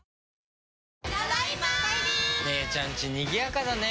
姉ちゃんちにぎやかだね。